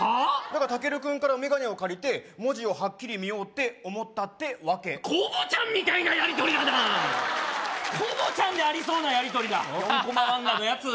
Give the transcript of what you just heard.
だからたける君からメガネを借りて文字をはっきり見ようって思ったってわけ「コボちゃん」みたいなやり取りだな「コボちゃん」でありそうなやり取りだ４コマ漫画のやつ